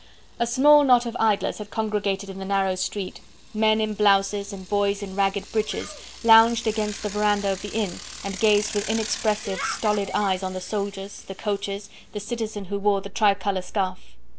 A small knot of idlers had congregated in the narrow street; men in blouses and boys in ragged breeches lounged against the verandah of the inn and gazed with inexpressive, stolid eyes on the soldiers, the coaches, the citizen who wore the tricolour scarf.